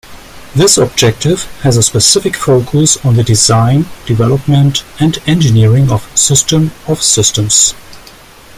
This objective has a specific focus on the "design, development and engineering of System-of-Systems".